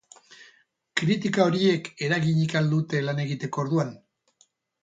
Kritika horiek eraginik al dute lan egiteko orduan?